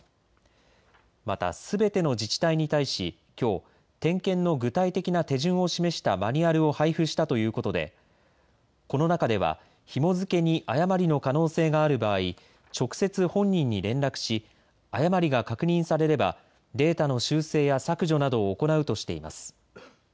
またすべての自治体に対しきょう、点検の具体的な手順を示したマニュアルを配布したということで、この中では、ひも付けに誤りの可能性がある場合、直接本人に連絡し誤りが確認されればデータの修正や削除などを行うとしています。